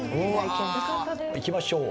いきましょう。